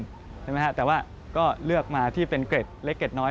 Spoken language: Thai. ใช่ไหมฮะแต่ว่าก็เลือกมาที่เป็นเกร็ดเล็กเกร็ดน้อย